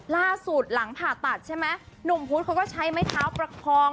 ล่าสุดหลังผ่าตัดใช่ไหมหนุ่มพุธเขาก็ใช้ไม้เท้าประคอง